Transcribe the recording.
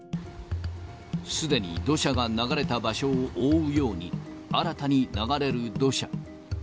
すでに土砂が流れた場所を覆うように、新たに流れる土砂。